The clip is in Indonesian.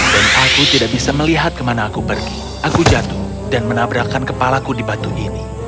aku tidak bisa melihat kemana aku pergi aku jatuh dan menabrakan kepalaku di batu ini